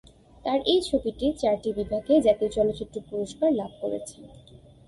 তার এই ছবিটি চারটি বিভাগে জাতীয় চলচ্চিত্র পুরস্কার লাভ করেছে।